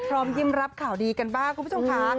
พร้อมยิ้มรับข่าวดีกันบ้างคุณผู้ชมค่ะ